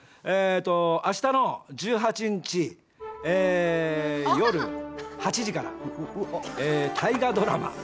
あしたの１８日、夜８時から大河ドラマ